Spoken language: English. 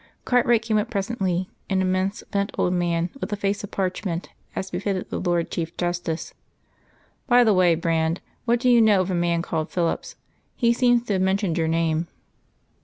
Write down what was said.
Cartwright came up presently, an immense, bent old man with a face of parchment, as befitted the Lord Chief Justice. "By the way, Brand, what do you know of a man called Phillips? He seems to have mentioned your name."